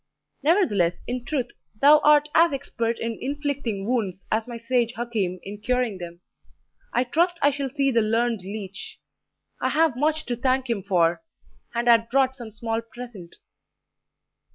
Nevertheless, in truth thou art as expert in inflicting wounds as my sage Hakim in curing them. I trust I shall see the learned leech; I have much to thank him for, and had brought some small present."